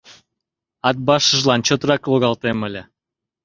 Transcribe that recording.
Атбашыжлан чотрак логалтем ыле.